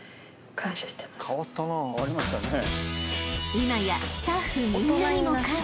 ［今や］